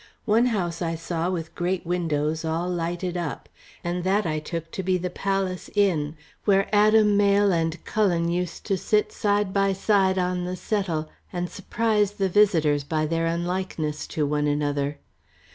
One house I saw with great windows all lighted up, and that I took to be the Palace Inn, where Adam Mayle and Cullen used to sit side by side on the settle and surprise the visitors by their unlikeness to one another.